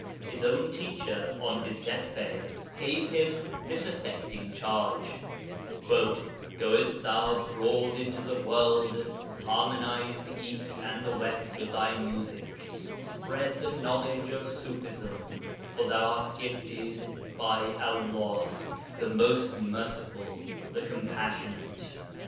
His own teacher on his death bed gave him this affecting charge: 'Goest thou abroad into the world, harmonize the East and the West with thy music; spread the knowledge of Ṣufism, for thou art gifted by Allah, the Most Merciful and Compassionate.'